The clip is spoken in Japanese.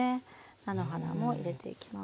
菜の花も入れていきます。